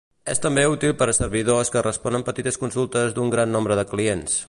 És també útil per a servidors que responen petites consultes d'un gran nombre de clients.